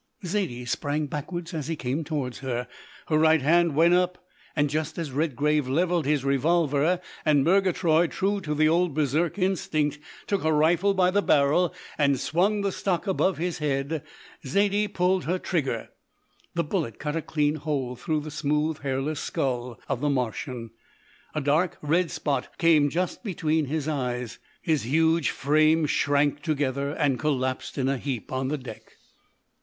Zaidie sprang backwards as he came towards her, her right hand went up, and, just as Redgrave levelled his revolver, and Murgatroyd, true to the old Berserk instinct, took a rifle by the barrel and swung the stock above his head, Zaidie pulled her trigger. The bullet cut a clean hole through the smooth, hairless skull of the Martian. A dark, red spot came just between his eyes, his huge frame shrank together and collapsed in a heap on the deck.